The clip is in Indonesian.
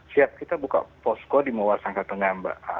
siap kita buka posko di mawasangka tengah mbak